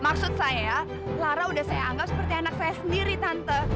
maksud saya lara sudah saya anggap seperti anak saya sendiri tante